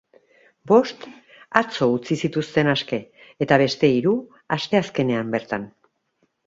Bost atzo utzi zituzten aske, eta beste hiru, asteazkenean bertan.